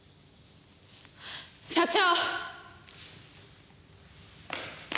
社長！